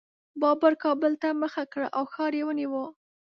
بابر کابل ته مخه کړه او ښار یې ونیو.